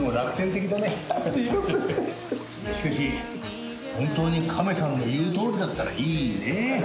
しかし本当にカメさんの言うとおりだったらいいねえ。